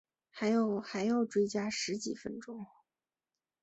还要还要追加十几分钟